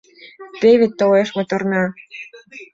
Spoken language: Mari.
Теве толеш моторна